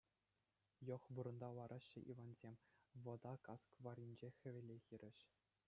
йӑх вырӑнта лараҫҫӗ Ивансем, Вӑта кас варринче, хӗвеле хирӗҫ.